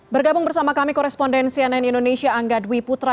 bergabung bersama kami korespondensi ann indonesia angga dwi putra